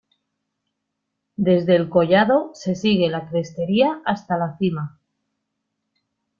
Desde el collado se sigue la crestería hasta la cima.